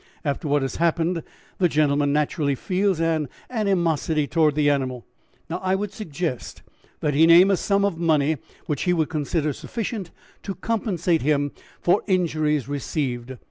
After what has happened the gentleman naturally feels an animosity towards the animal. Now, I would suggest that he name a sum of money which he would consider sufficient to compensate him for injuries received.